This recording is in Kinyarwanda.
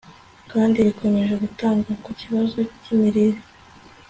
kandi ikomeje gutanga ku kibazo cyimirire